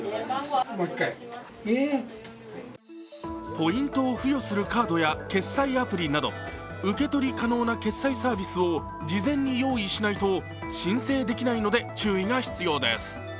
ポイントを付与するカードや決済アプリなど受け取り可能な決済サービスを事前に用意しないと申請できないので注意が必要です。